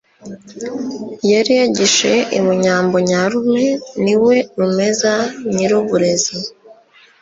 Yari yagishiye i Bunyambo Nyarume. Ni we Rumeza Nyiruburezi*,